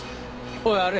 おいあれ。